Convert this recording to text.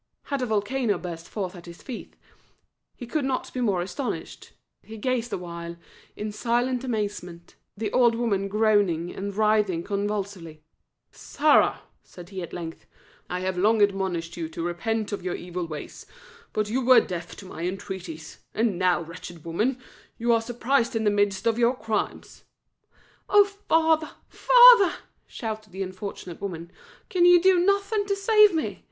Had a volcano burst forth at his feet, he could not be more astonished; he gazed awhile in silent amazement the old woman groaning, and writhing convulsively. "Sarah," said he, at length, "I have long admonished you to repent of your evil ways, but you were deaf to my entreaties; and now, wretched woman, you are surprised in the midst of your crimes." "Oh, father, father," shouted the unfortunate woman, "can you do nothing to save me?